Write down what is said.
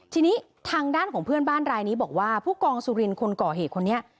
ทีนี้ทางด้านของเพื่อนบ้านรายนี้บอกว่าผู้กองสุรินคนก่อเหตุคนนี้